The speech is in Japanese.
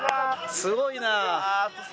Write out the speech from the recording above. すごいな。